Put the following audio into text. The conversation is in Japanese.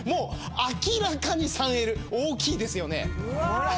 明らかに３Ｌ大きいですよね。